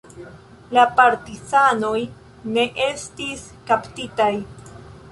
La partizanoj ne estis kaptitaj.